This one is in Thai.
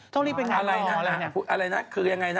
ต้องรีบไปอย่างไรหรออะไรแนี่ยอะไรคือยังไงนะ